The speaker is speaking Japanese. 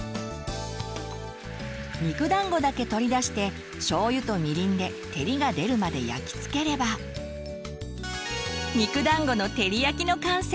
肉だんごだけ取り出してしょうゆとみりんで照りが出るまで焼き付ければ「肉だんごの照り焼き」の完成！